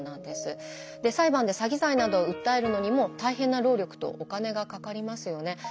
で裁判で詐欺罪などを訴えるのにも大変な労力とお金がかかりますよね。